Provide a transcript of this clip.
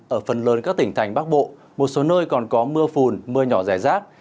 ở phần lớn các tỉnh thành bắc bộ một số nơi còn có mưa phùn mưa nhỏ rải rác